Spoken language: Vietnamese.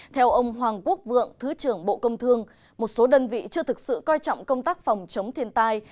theo ông hoàng quốc vượng thứ trưởng bộ công thương một số đơn vị chưa thực sự coi trọng công tác phòng chống thiên tai